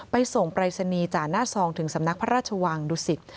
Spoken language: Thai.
ไปส่งปรายศนีย์จากหน้าซองถึงสำนักพระราชวังดุสิต